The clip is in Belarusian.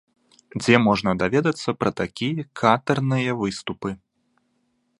Дзе можна даведацца пра такія катэрныя выступы.